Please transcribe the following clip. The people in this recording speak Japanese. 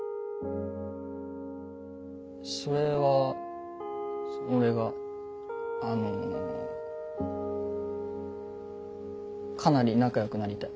それは俺があのかなり仲よくなりたい。